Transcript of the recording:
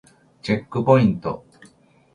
チェックポイント